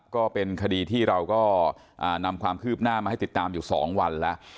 ก็เป็นคดีที่เราก็นำความคืบหน้ามาให้ติดตามอยู่๒วันแล้ว